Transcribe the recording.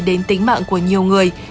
đến tính mạng của nhiều người